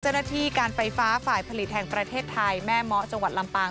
เจ้าหน้าที่การไฟฟ้าฝ่ายผลิตแห่งประเทศไทยแม่เมาะจังหวัดลำปาง